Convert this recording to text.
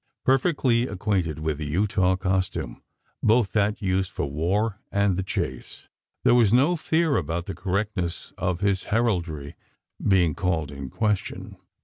Perfectly acquainted with the Utah costume both that used for war and the chase there was no fear about the correctness of his heraldry being called in question.